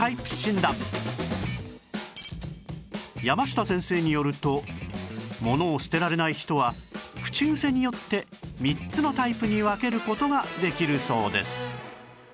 やました先生によるとものを捨てられない人は口癖によって３つのタイプに分ける事ができるそうです